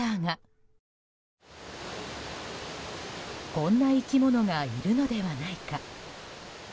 こんな生き物がいるのではないか。